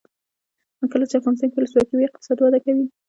کله چې افغانستان کې ولسواکي وي اقتصاد وده کوي.